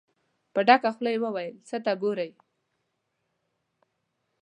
په ډکه خوله يې وويل: څه ته ګورئ؟